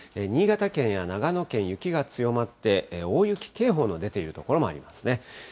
新潟県や長野県、雪が強まって、大雪警報の出ている所もありますね。